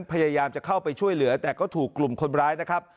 พยายามจะเข้าไปช่วยเหลือแต่ก็ถูกกลุ่มคนร้ายนะครับ